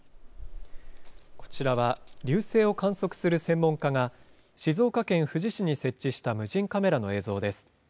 こちらは流星を観測する専門家が、静岡県富士市に設置した無人カメラの映像です。